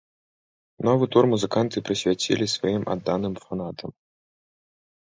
Новы тур музыканты прысвяцілі сваім адданым фанатам.